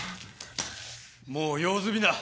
もう用済みだ！